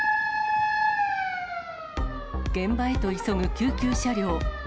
現場へと急ぐ救急車両。